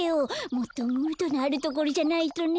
もっとムードのあるところじゃないとね。